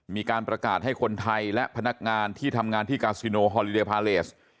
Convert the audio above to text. มีการประกาศให้คนไทยและพนักงานที่ทำงานที่กาซิโนฮอลิเดพาเลส